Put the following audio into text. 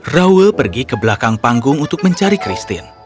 raul pergi ke belakang panggung untuk mencari christine